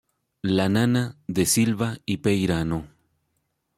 La nana, de Silva y Peirano.